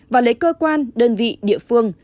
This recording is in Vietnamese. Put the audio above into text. và lấy cơ quan đơn vị địa phương